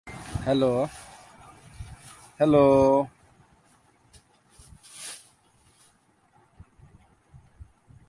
Norway further amends this system by utilizing a two-tier proportionality.